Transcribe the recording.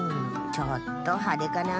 ちょっとはでかな。